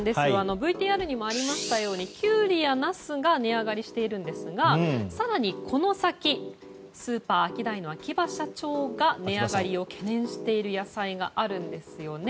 ＶＴＲにもありましたようにキュウリやナスが値上がりしているんですが更にこの先スーパーアキダイの秋葉社長が値上がりを懸念している野菜があるんですよね。